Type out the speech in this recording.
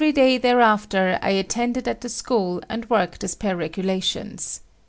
] Everyday thereafter I attended at the school and worked as per regulations.